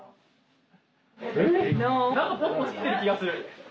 何かポツポツ来てる気がする。